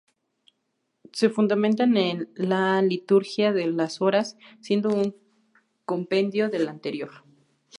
Se fundamentan en la "Liturgia de las Horas", siendo un compendio del anterior.